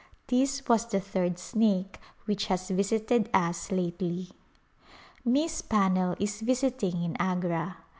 This was the third snake which has visited us lately. Miss Pannell is visiting in Agra.